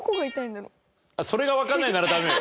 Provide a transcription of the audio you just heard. それがわかんないならダメよ。